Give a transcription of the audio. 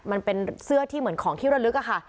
มันเป็นเสื้อที่เหมือนของที่ระลึกอะค่ะ